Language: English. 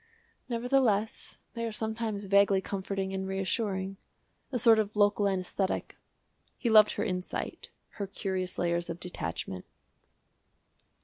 "Nevertheless, they are sometimes vaguely comforting and reassuring a sort of local anæsthetic." He loved her insight, her curious layers of detachment.